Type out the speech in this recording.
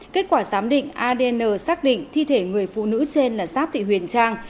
kết quả giám định adn xác định thi thể người phụ nữ trên là giáp thị huyền trang